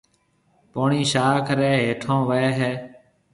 پوڻِي شاخ ريَ هيَٺون وهيَ هيَ۔